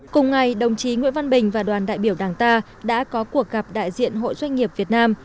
cùng ngày đồng chí nguyễn văn bình và đoàn đại biểu đảng ta đã có cuộc gặp đại diện hội doanh nghiệp việt nam